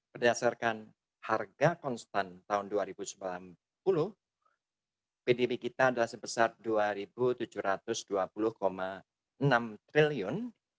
berdasarkan harga konstan tahun dua ribu sembilan pdb kita adalah sebesar rp dua tujuh ratus dua puluh enam triliun